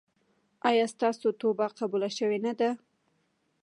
ایا ستاسو توبه قبوله شوې نه ده؟